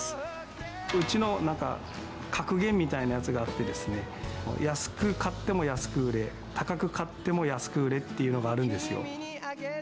うちのなんか、格言みたいなやつがあって、安く買っても安く売れ、高く買っても安く売れっていうのがあるんですよ。